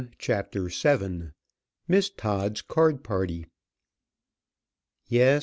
CHAPTER VII. MISS TODD'S CARD PARTY. Yes.